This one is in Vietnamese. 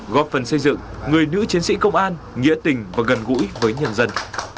góp phần xây dựng người nữ chiến sĩ công an nghĩa tình và gần gũi với nhân dân